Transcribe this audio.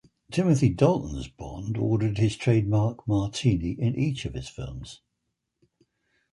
Timothy Dalton's Bond ordered his trademark Martini in each of his films.